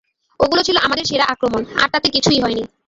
ওগুলো ছিল আমাদের সেরা আক্রমণ, আর তাতে কিছুই হয়নি!